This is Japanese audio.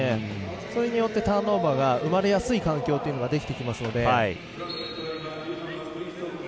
それによってターンオーバーが生まれやすい環境ができてきますので。